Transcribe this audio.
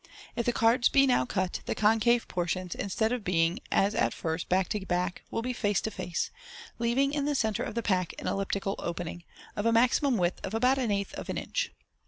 If the cards be now cut, the concave portions, instead of being, as at first, back to back, will be face to face, thus 0> leaving in the centre of the pack an elliptical opening, of a maximum width of about an eighth of an inch.